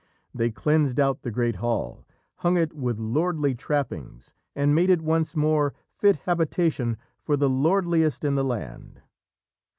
They cleansed out the great hall, hung it with lordly trappings, and made it once more fit habitation for the lordliest in the land.